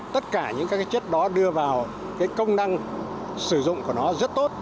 tất cả những chất đó đưa vào công năng sử dụng của nó rất tốt